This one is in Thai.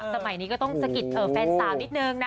สมัยนี้ก็ต้องสะกิดแฟนสาวนิดนึงนะ